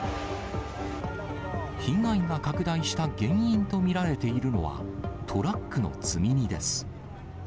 被害が拡大した原因と見られているのは、トラックの積み荷です。